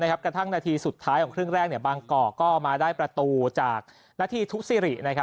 นาทีสุดท้ายของครึ่งแรกบางกอกก็มาได้ประตูจากนาทีทุกซิริ